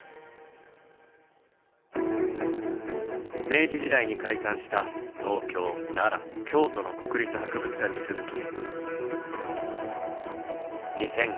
明治時代に開館した東京奈良京都の国立博物館に続き。